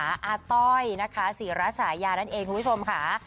อาต้อยนะคะศรีระฉายานั่นเองคุณผู้ชมค่ะ